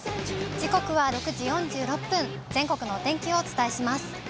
時刻は６時４６分、全国のお天気をお伝えします。